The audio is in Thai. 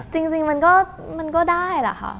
จริงมันก็ได้แหละค่ะ